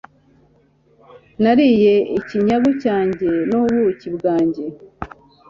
nariye ikinyagu cyanjye n'ubuki bwanjye